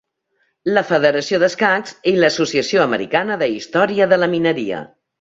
La Federació d'Escacs i l'Associació Americana d'Història de la Mineria.